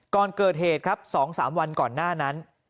ก่อนเกิดเหตุครับ๒๓วันก่อนหน้านั้น